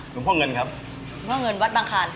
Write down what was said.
หลวงพ่อเงินครับหลวงพ่อเงินวัดบางคาร